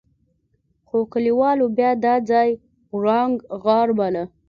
خو کليوالو بيا دا ځای پړانګ غار باله.